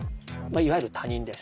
いわゆる他人です。